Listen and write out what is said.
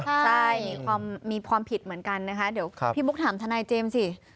ใช่มีความผิดเหมือนกันนะคะเดี๋ยวพี่บุ๊กถามทนายเจมส์สิ